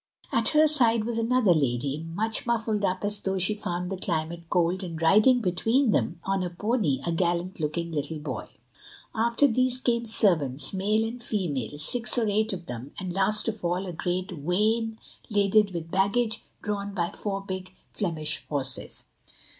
At her side was another lady, much muffled up as though she found the climate cold, and riding between them, on a pony, a gallant looking little boy. After these came servants, male and female, six or eight of them, and last of all a great wain, laden with baggage, drawn by four big Flemish horses.